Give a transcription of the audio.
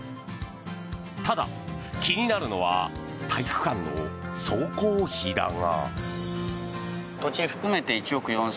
ただ、気になるのは体育館の総工費だが。